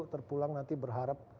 terpulang nanti berharap